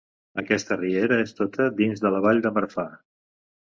Aquesta riera és tota dins de la Vall de Marfà.